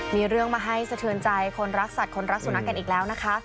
มีเรื่องมาให้สะเทือนใจคนรักสัตว์คนรักสุนัขกันอีกแล้วนะคะ